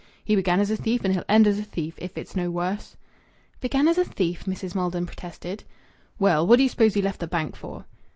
"He began as a thief and he'll end as a thief, if it's no worse." "Began as a thief?" Mrs. Maldon protested. "Well, what d'ye suppose he left the bank for?"